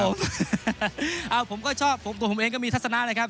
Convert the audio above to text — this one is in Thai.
ครับผมผมก็ชอบผมเองก็มีทัศนานะครับ